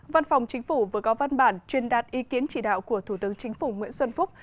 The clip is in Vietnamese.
văn phòng chính phủ vừa có văn bản truyền đạt ý kiến chỉ đạo của thủ tướng chính phủ nguyễn xuân phúc